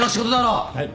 はい。